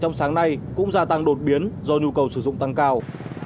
trong sáng nay cũng gia tăng đột biến do nhu cầu sử dụng tăng cao